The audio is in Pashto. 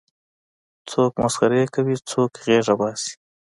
څوک مسخرې کوي څوک غېږه باسي.